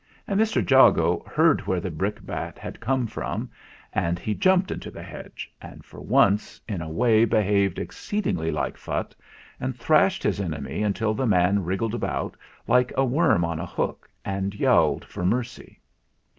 And Mr. Jago heard where the brickbat had come from, and he jumped into the hedge, and for once in a way behaved ex ceedingly like Phutt, and thrashed his enemy until the man wriggled about, like a worm on a hook, and yowled for mercy.